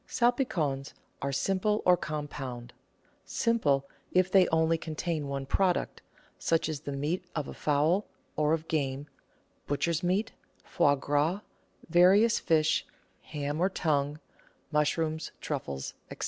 Salpicons are simple or compound. Simple if they only con tain one product, such as the meat of a fowl, or of game, butcher's meat, foie gras, various fish, ham or tongue, mush rooms, truffles, &c.